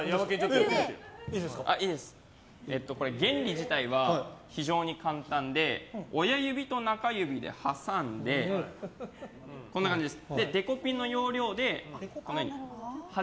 原理自体は非常に簡単で親指と中指で挟んででは行きます。